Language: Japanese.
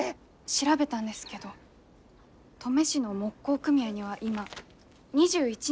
調べたんですけど登米市の木工組合には今２１人の職人さんがいます。